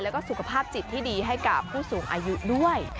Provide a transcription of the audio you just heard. แล้วก็สุขภาพจิตที่ดีให้กับผู้สูงอายุด้วย